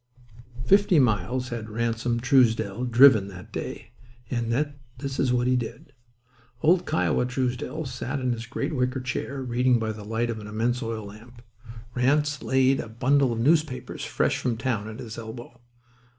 Fifty miles had Ransom Truesdell driven that day. And yet this is what he did. Old "Kiowa" Truesdell sat in his great wicker chair reading by the light of an immense oil lamp. Ranse laid a bundle of newspapers fresh from town at his elbow.